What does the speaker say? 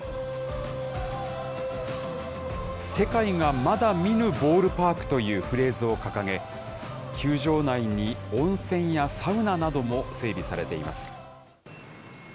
世界がまだ見ぬボールパークというフレーズを掲げ、球場内に温泉やサウナなども整備されています。